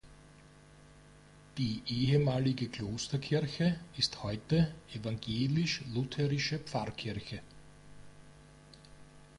Die ehemalige Klosterkirche ist heute evangelisch-lutherische Pfarrkirche.